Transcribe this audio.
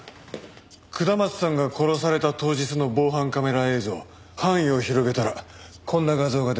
下松さんが殺された当日の防犯カメラ映像範囲を広げたらこんな画像が出てきた。